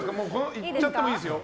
いっちゃってもいいですよ。